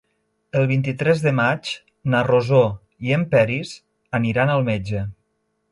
El vint-i-tres de maig na Rosó i en Peris aniran al metge.